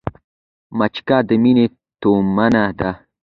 مچکه د مينې تومنه ده